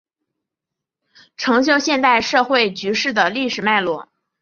成就现今社会局势的历史脉络